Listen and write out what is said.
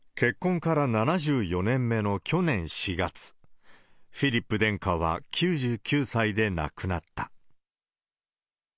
結婚から７４年目の去年４月、フィリップ殿下は９９歳で亡くなった。